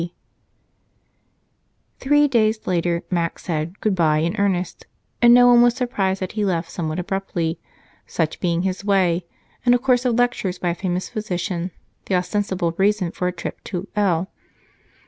C." Three days later Mac said "good bye" in earnest, and no one was surprised that he left somewhat abruptly, such being his way, and a course of lectures by a famous physician the ostensible reason for a trip to L